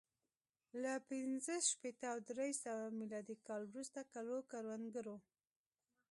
له پنځه شپېته او درې سوه میلادي کال وروسته کلو کروندګرو